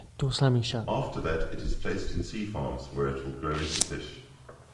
After that it is placed in sea farms where it will grow into fish.